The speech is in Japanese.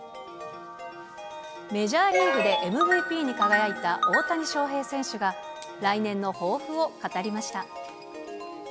メジャーリーグでＭＶＰに輝いた大谷翔平選手が、来年の抱負を語りました。